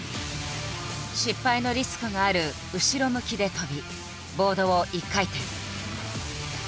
失敗のリスクがある後ろ向きで跳びボードを１回転。